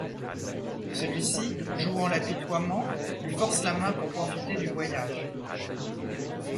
Celui-ci, jouant l'apitoiement, lui force la main pour profiter du voyage.